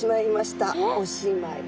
おしまい。